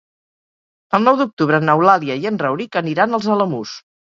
El nou d'octubre n'Eulàlia i en Rauric aniran als Alamús.